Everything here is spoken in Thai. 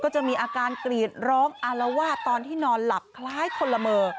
จะมีอาการกรีดร้องอารวาสตอนที่นอนหลับคล้ายคนละเมอ